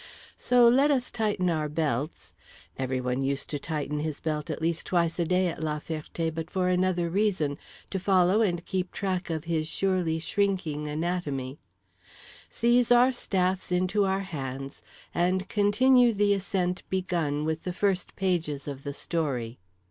So let us tighten our belts, (everyone used to tighten his belt at least twice a day at La Ferté, but for another reason—to follow and keep track of his surely shrinking anatomy) seize our staffs into our hands, and continue the ascent begun with the first pages of the story.